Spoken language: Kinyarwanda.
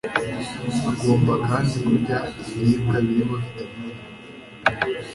agomba kandi kurya ibiribwa birimo vitamin